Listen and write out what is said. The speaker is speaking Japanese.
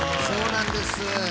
そうなんです。